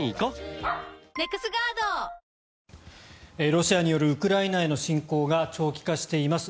ロシアによるウクライナへの侵攻が長期化しています。